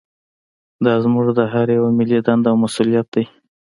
دا زموږ د هر یوه ملي دنده او مسوولیت دی